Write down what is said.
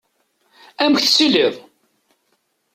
Amek tettiliḍ?